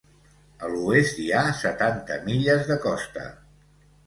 A l'oest hi ha setanta milles de costa.